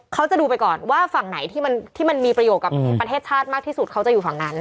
เขาจะดูไปก่อนว่าฝั่งไหนที่มันมีประโยชน์กับประเทศชาติมากที่สุดเขาจะอยู่ฝั่งนั้น